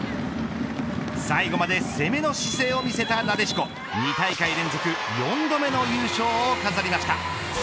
最後まで攻めの姿勢を見せたなでしこ２大会連続４度目の優勝を飾りました。